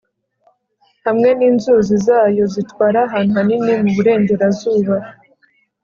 hamwe n'inzuzi zayo zitwara ahantu hanini mu burengerazuba